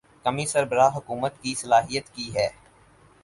کمی سربراہ حکومت کی صلاحیت کی ہے۔